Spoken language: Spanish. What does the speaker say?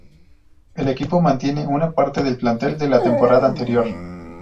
El equipo mantiene una parte del plantel de la temporada anterior.